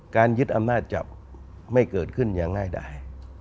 ยึดอำนาจจับไม่เกิดขึ้นอย่างง่ายได้